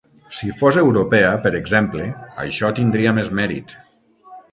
Si fos europea, per exemple, això tindria més mèrit.